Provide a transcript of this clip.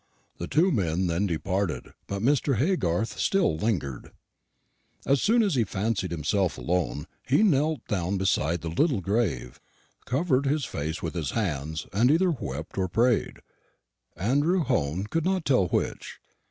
The two men then departed, but Mr. Haygarth still lingered. "As soon as he fancied himself alone, he knelt down beside the little grave, covered his face with his hands, and either wept or prayed, Andrew Hone could not tell which.